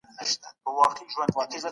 ډاکټرانو له میاشتو راهیسې دا ناروغي څېړله.